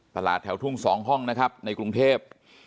ตลาดแถวทุ่ง๒ห้องนะครับในกรุงเทพ